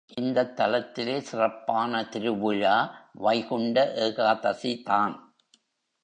இந்தத் தலத்திலே சிறப்பான திருவிழா வைகுண்ட ஏகாதசிதான்.